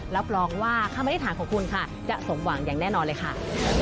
รับรองว่าคำอธิษฐานของคุณค่ะจะสมหวังอย่างแน่นอนเลยค่ะ